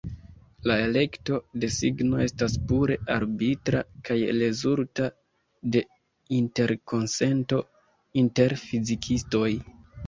La elekto de signo estas pure arbitra kaj rezultas de interkonsento inter fizikistoj.